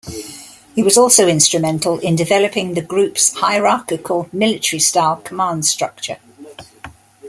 He was also instrumental in developing the group's hierarchical military-style command structure.